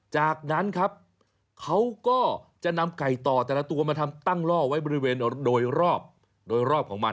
จากนั้นครับเขาก็จะนำไก่ต่อแต่ละตัวมาทำตั้งล่อไว้บริเวณโดยรอบโดยรอบของมัน